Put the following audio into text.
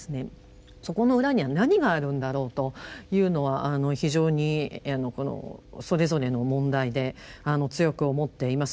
そこの裏には何があるんだろうというのは非常にそれぞれの問題で強く思っています。